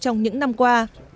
trong những năm qua